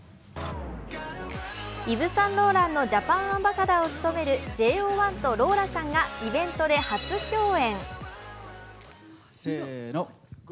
イヴ・サンローランのジャパンアンバサダーを務めるＪＯ１とローラさんがイベントで初共演。